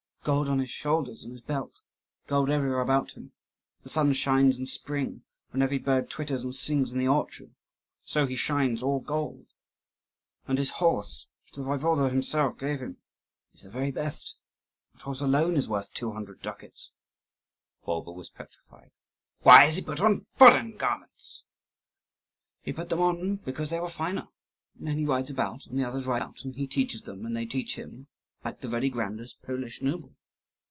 Gold on his shoulders and his belt, gold everywhere about him; as the sun shines in spring, when every bird twitters and sings in the orchard, so he shines, all gold. And his horse, which the Waiwode himself gave him, is the very best; that horse alone is worth two hundred ducats." Bulba was petrified. "Why has he put on foreign garments?" "He put them on because they were finer. And he rides about, and the others ride about, and he teaches them, and they teach him; like the very grandest Polish noble."